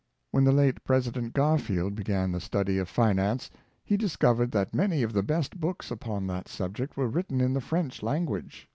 When the late President Garfield beg^an the studv of finance, he discovered that many of the best books up on that subject were written in the French language.